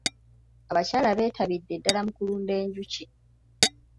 Abakyala b'etabidde ddala mu kulunda enjuki.